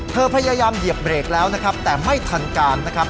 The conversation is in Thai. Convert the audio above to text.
พยายามเหยียบเบรกแล้วนะครับแต่ไม่ทันการนะครับ